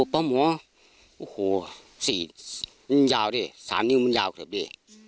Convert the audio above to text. ประหมอเลยเราโอยโหแสบน้อย๓นิ้วคือซะเยี่ยง